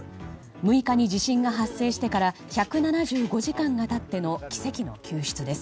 ６日に地震が発生してから１７５時間が経っての奇跡の救出です。